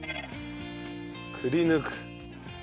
くりぬく。